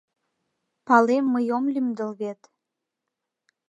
— ПалемМый ом лӱмдыл вет.